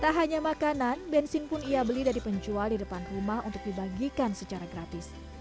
tak hanya makanan bensin pun ia beli dari penjual di depan rumah untuk dibagikan secara gratis